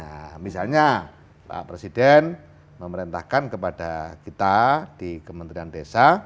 nah misalnya pak presiden memerintahkan kepada kita di kementerian desa